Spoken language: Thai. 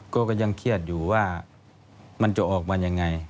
ก็ยังเครียดอยู่ว่ามันจะออกมายังไง